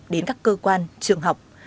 đến các cơ quan trường học